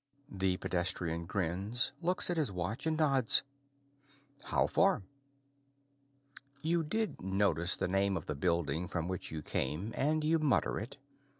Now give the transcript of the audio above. The pedestrian grins, looks at his watch, and nods. "How far?" You did notice the name of the building from which you came and you mutter it.